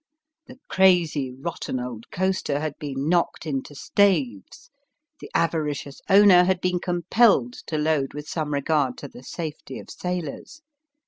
The crazy, rotten old coaster had been knocked into staves. The avaricious owner had been compelled to load with some regard to the safety of sailors.